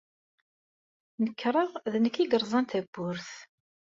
Nekṛeɣ d nekk ay yerẓan tazewwut.